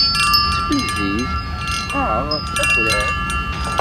Nettfezziz teffeɣ-aɣ d takrart.